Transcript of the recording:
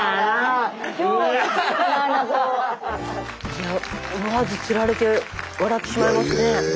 いや思わずつられて笑ってしまいますね。